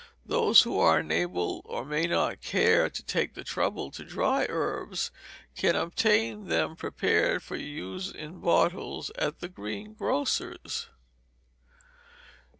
Those who are unable or may not care to take the trouble to dry herbs, can obtain them prepared for use in bottles at the green grocer's.